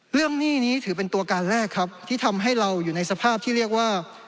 หนี้นี้ถือเป็นตัวการแรกครับที่ทำให้เราอยู่ในสภาพที่เรียกว่า